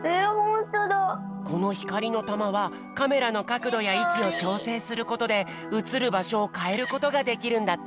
このひかりのたまはカメラのかくどやいちをちょうせいすることでうつるばしょをかえることができるんだって！